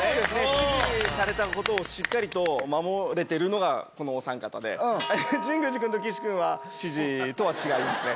指示されたことをしっかりと守れてるのが、このお３方で、神宮寺君と岸君は指示とは違いますね。